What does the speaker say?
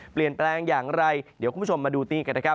เปลี่ยนแปลงอย่างไรเดี๋ยวคุณผู้ชมมาดูตี้กันนะครับ